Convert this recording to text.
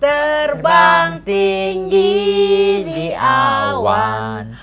terbang tinggi di awan